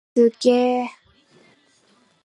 すっげー！